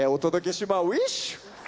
しまウィッシュ！